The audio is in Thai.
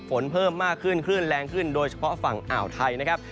ฝนเพิ่มมากขึ้นคลื่นแรงขึ้นโดยเฉพาะฝั่งอ่าวไทยนะครับ